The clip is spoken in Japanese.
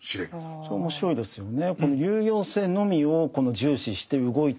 それ面白いですよね。